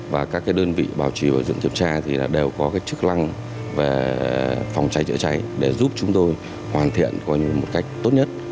và các đơn vị bảo trì bảo dưỡng kiểm tra đều có chức lăng về phòng cháy trịa cháy để giúp chúng tôi hoàn thiện có một cách tốt nhất